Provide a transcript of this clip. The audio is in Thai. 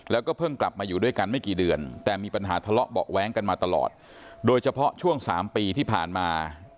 แล้วก็เพิ่งกลับมาอยู่ด้วยกันไม่กี่เดือนแต่มีปัญหาทะเลาะเบาะแว้งกันมาตลอดโดยเฉพาะช่วงสามปีที่ผ่านมา